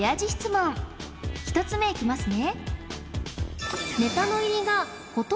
１つ目いきますね